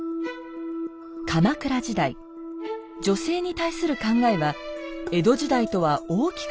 鎌倉時代女性に対する考えは江戸時代とは大きく異なっていました。